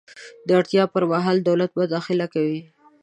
د اړتیا پر مهال دولت مداخله کوي.